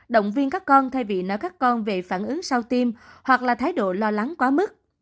động viên các con thay vì nói các con về phản ứng sau tim hoặc là thái độ lo lắng quá mức